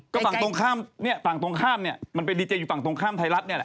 ก็ฝั่งตรงข้ามเนี่ยฝั่งตรงข้ามเนี่ยมันเป็นดีเจอยู่ฝั่งตรงข้ามไทยรัฐเนี่ยแหละ